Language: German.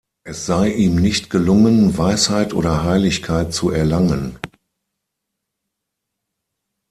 Es sei ihm nicht gelungen, Weisheit oder Heiligkeit zu erlangen.